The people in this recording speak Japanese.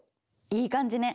いい感じね。